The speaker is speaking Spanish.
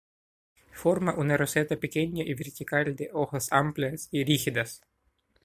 Forma una roseta pequeña y vertical de hojas amplias y rígidas.